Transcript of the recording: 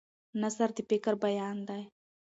نثر د فکر بیان دی.